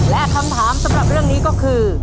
และคำถามสำหรับเรื่องนี้ก็คือ